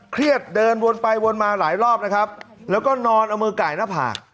เดินวนไปวนมาหลายรอบนะครับแล้วก็นอนเอามือไก่หน้าผาก